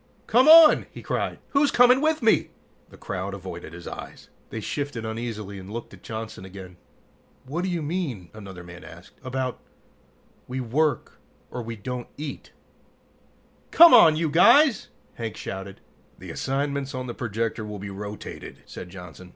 "Come on!" he cried. "Who's coming with me?" The crowd avoided his eyes. They shifted uneasily and looked at Johnson again. "What do you mean?" another man asked. "About, we work or we don't eat " "Come on, you guys!" Hank shouted. "The assignments on the projector will be rotated," said Johnson.